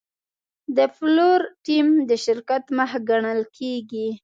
د پلور ټیم د شرکت مخ ګڼل کېږي.